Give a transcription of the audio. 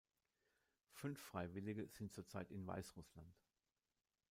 Fünf Freiwillige sind zurzeit in Weißrussland.